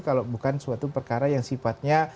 kalau bukan suatu perkara yang sifatnya